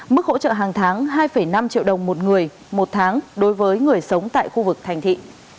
mức hỗ trợ hàng tháng hai năm triệu đồng một người một tháng đối với người sống tại khu vực thành thị